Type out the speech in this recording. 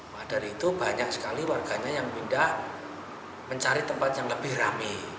maka dari itu banyak sekali warganya yang pindah mencari tempat yang lebih rame